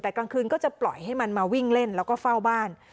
แต่กลางคืนก็จะปล่อยให้มันมาวิ่งเล่นแล้วก็เฝ้าบ้าน